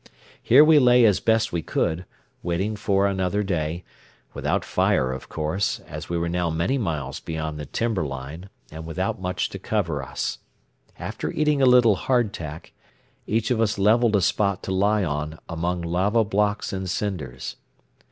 Here we lay as best we could, waiting for another day, without fire of course, as we were now many miles beyond the timberline and without much to cover us. After eating a little hardtack, each of us leveled a spot to lie on among lava blocks and cinders.